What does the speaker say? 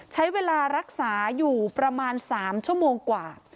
ใช้เวลารักษาอยู่ประมาณ๓ชั่วโมงกว่า